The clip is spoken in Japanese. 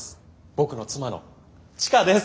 僕の妻の知歌です。